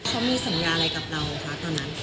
เขามีสัญญาอะไรกับเราคะตอนนั้น